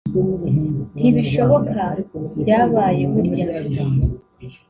ntibishoboka byabaye burya